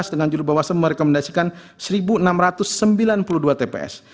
dengan jurubawasan merekomendasikan satu enam ratus sembilan puluh dua tps